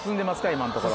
今のところ。